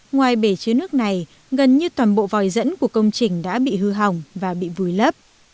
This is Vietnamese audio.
ngoài bể chứa nước này gần như toàn bộ vòi dẫn của công trình đã bị hư hỏng và bị vùi lấp